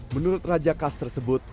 menurut raja khas tersebut